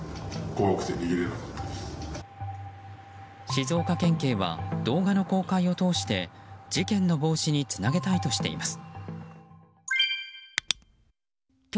静岡県警は動画の公開を通して事件の防止につなげたいとしています。